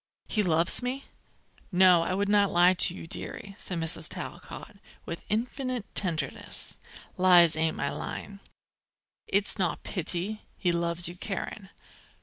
He loves me?" "No, I wouldn't lie to you, dearie," said Mrs. Talcott, with infinite tenderness; "lies ain't my line. It's not pity. He loves you, Karen."